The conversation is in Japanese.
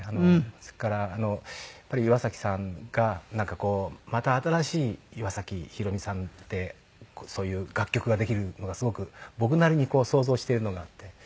それからやっぱり岩崎さんがなんかこうまた新しい岩崎宏美さんでそういう楽曲ができるのがすごく僕なりにこう想像してるのがあって。